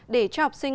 để cho học sinh